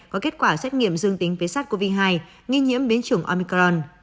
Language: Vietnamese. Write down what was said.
có kết quả xét nghiệm dương tính với sars cov hai nghi nhiễm biến chủng omicron